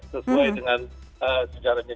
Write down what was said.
sesuai dengan sejarahnya